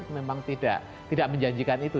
memang tidak menjanjikan itu